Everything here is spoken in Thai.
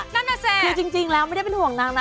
นั่นน่ะสิคือจริงแล้วไม่ได้เป็นห่วงนางนะ